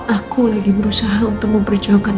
aku lagi berusaha untuk memperjuangkan